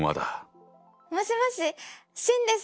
もしもし秦です！